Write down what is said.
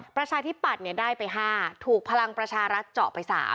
ประชาธิปัตย์ได้ไป๕ถูกพลังประชารัฐเจาะไป๓